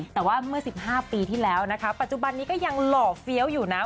แต่ว่าเมื่อ๑๕ปีที่แล้วนะคะปัจจุบันนี้ก็ยังหล่อเฟี้ยวอยู่นะ